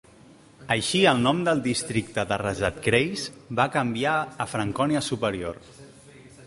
Així el nom del districte de Rezatkreis va canviar a Francònia superior.